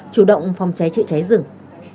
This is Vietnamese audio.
chủ động phòng cháy chạy cháy rừng